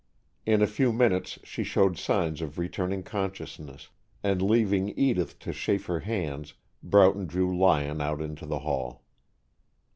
In a few minutes she showed signs of returning consciousness, and leaving Edith to chafe her hands, Broughton drew Lyon out into the hall.